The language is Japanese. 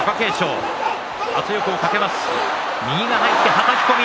はたき込み。